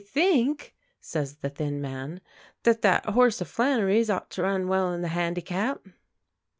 "I think," says the thin man, "that that horse of Flannery's ought to run well in the Handicap."